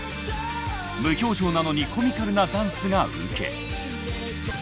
無表情なのにコミカルなダンスがウケ